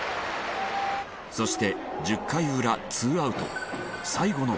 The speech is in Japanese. そして１０回裏ツーアウト。